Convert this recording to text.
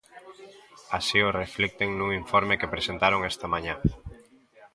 Así o reflicten nun informe que presentaron esta mañá.